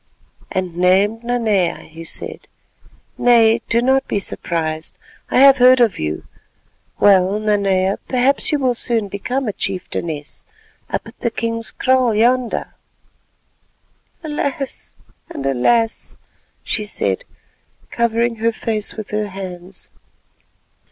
"And named Nanea," he said. "Nay, do not be surprised, I have heard of you. Well, Nanea, perhaps you will soon become a chieftainess—up at the king's kraal yonder." "Alas! and alas!" she said, covering her face with her hands.